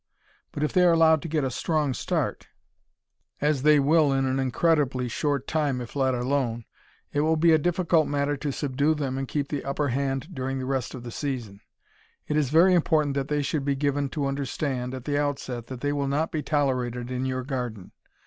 But if they are allowed to get a strong start as they will in an incredibly short time if let alone it will be a difficult matter to subdue them and keep the upper hand during the rest of the season. It is very important that they should be given to understand, at the outset, that they will not be tolerated in your garden.